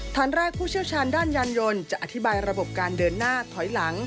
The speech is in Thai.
ฐานแรกผู้เชี่ยวชาญด้านยานยนต์จะอธิบายระบบการเดินหน้าถอยหลัง